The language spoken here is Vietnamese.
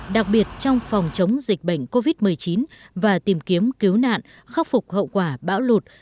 đặc biệt trong phòng chống dịch bệnh covid một mươi chín và tìm kiếm cứu nạn khắc phục hậu quả bão lụt